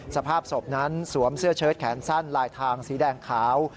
สภาพศพนั้นสวมเสื้อเชิดแขนสั้นลายทางสีแดงขาว